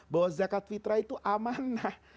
bahwa zakat fitrah itu amanah